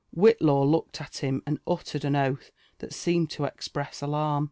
Whillaw looked at him, and uttered an oath] that seemed to express alarm.